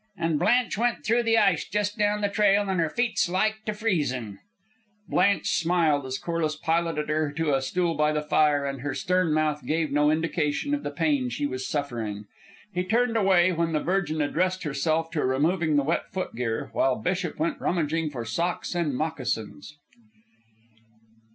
"An' Blanche went through the ice just down the trail, and her feet's like to freezin'." Blanche smiled as Corliss piloted her to a stool by the fire, and her stern mouth gave no indication of the pain she was suffering. He turned away when the Virgin addressed herself to removing the wet footgear, while Bishop went rummaging for socks and moccasins.